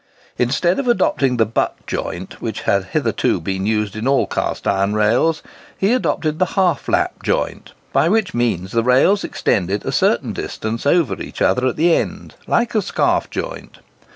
Instead of adopting the butt joint which had hitherto been used in all cast iron rails, he adopted the half lap joint, by which means the rails extended a certain distance over each other at the ends, like a scarf joint.